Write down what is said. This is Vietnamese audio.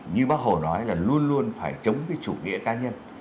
như bác hồ nói là luôn luôn phải chống cái chủ nghĩa cá nhân